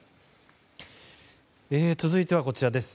続いては、こちらです。